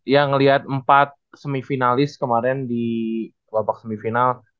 yang ngeliat empat semifinalist kemarin di babak semifinal